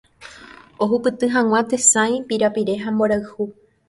ohupyty hag̃ua tesãi, pirapire ha mborayhu.